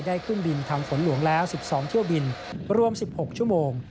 ได้ขึ้นบินทำฝนหลวงแล้ว๑๒เที่ยวบินรวม๑๖ชั่วโมง